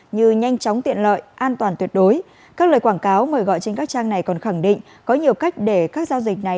như nhanh chóng tiện lợi an toàn tuyệt đối các lời quảng cáo mời gọi trên các trang này còn khẳng định có nhiều cách để các giao dịch này